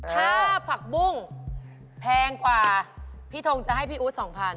ถ้าผักบุ้งแพงกว่าพี่ทงจะให้พี่อู๊ด๒๐๐